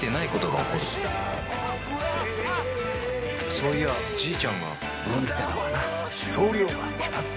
そういやじいちゃんが運ってのはな量が決まってるんだよ。